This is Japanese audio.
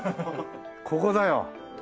ここだよ。